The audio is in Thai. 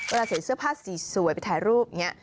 ใส่เสื้อผ้าสีสวยไปถ่ายรูปอย่างนี้